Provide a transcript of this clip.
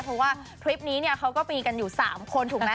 เพราะว่าทริปนี้เนี่ยเขาก็มีกันอยู่๓คนถูกไหม